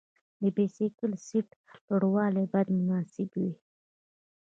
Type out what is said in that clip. د بایسکل سیټ لوړوالی باید مناسب وي.